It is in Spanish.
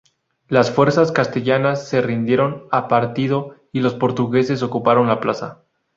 Las fuerzas castellanas se rindieron a partido y los portugueses ocuparon la plaza.